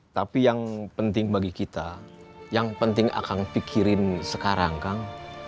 tapi yang penting bagi kita yang penting akan pikirin sekarang kang